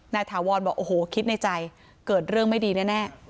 ถาวรบอกโอ้โหคิดในใจเกิดเรื่องไม่ดีแน่